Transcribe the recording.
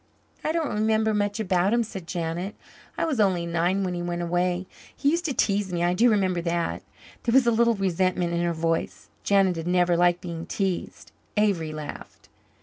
"I don't remember much about him," said Janet. "I was only nine when he went away. He used to tease me I do remember that." There was a little resentment in her voice. Janet had never liked being teased. Avery laughed.